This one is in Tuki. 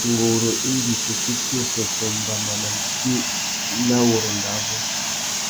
Nguru indi tu fiti ussôssô mbama nà mpí nà wurrôndô abú.